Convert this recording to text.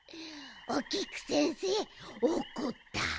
おきくせんせいおこった！